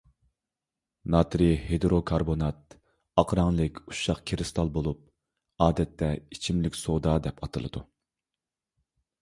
ناترىي ھىدروكاربونات ئاق رەڭلىك ئۇششاق كىرىستال بولۇپ، ئادەتتە «ئىچىملىك سودا» دەپ ئاتىلىدۇ.